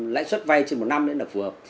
lãi suất vay trên một năm là phù hợp